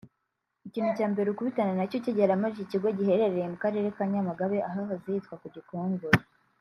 Ikintu cya mbere ukubitana nacyo ukigera muri iki kigo giherereye mu Karere ka Nyamagabe ahahoze hitwa ku Gikongoro